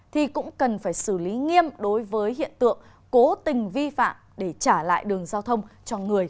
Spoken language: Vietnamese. thì cũng cần phải xử lý nghiêm đối với hiện tượng cố tình vi phạm để trả lại đường giao thông cho người